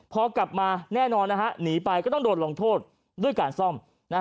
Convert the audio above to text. พอกลับมาแน่นอนหนีไปก็ต้องโดนลงโทษด้วยการซ่อม